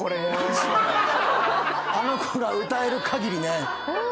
あの子が歌えるかぎりね。